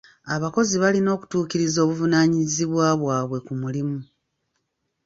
Abakozi balina okutuukiriza obuvunaanyizibwa bwabwe ku mulimu.